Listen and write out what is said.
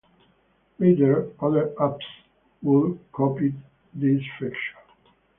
Later other apps would copied this feature.